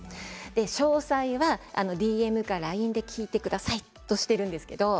詳細はＤＭやＬＩＮＥで聞いてくださいとしているんです。